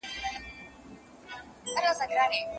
زه غواړم هوایی ډګر تا ولاړ شم